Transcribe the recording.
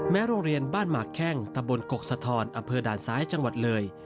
โรงเรียนบ้านหมากแข้งตะบนกกสะทอนอำเภอด่านซ้ายจังหวัดเลย